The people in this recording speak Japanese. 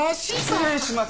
失礼します。